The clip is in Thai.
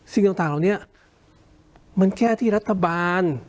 สิ่งต่างเหล่านี้มันแค่ที่รัฐบาล